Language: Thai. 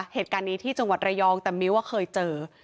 เหตุการณ์นี้ที่จังหวัดระยองแต่มิ้วเคยเจอ